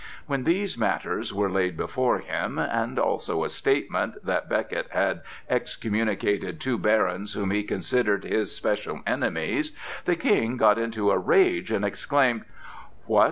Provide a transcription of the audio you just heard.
When these matters were laid before him, and also a statement that Becket had excommunicated two barons whom he considered his special enemies, the King got into a rage and exclaimed: "What?